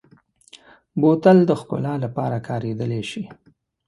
بوتل د ښکلا لپاره کارېدلی شي.